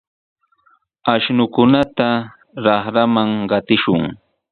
Ashnukunata raqraman qatishun.